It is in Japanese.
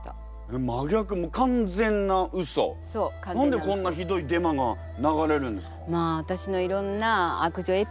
何でこんなひどいデマが流れるんですか？